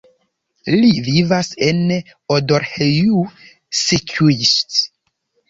Li vivas en Odorheiu Secuiesc.